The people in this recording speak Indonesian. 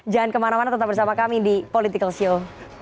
jangan kemana mana tetap bersama kami di political show